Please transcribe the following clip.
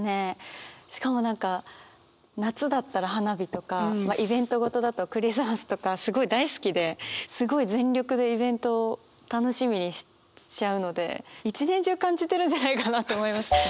しかも何か夏だったら花火とかイベント事だとクリスマスとかすごい大好きですごい全力でイベントを楽しみにしちゃうので１年中感じてるんじゃないかなと思います。